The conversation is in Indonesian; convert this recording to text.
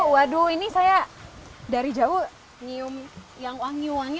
waduh ini saya dari jauh nyium yang wangi wangi